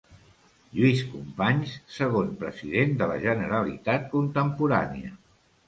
Lluís Companys, segon president de la Generalitat contemporània.